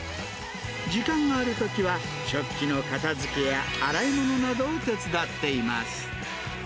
時間があるときは、食器の片づけや洗い物などを手伝っています。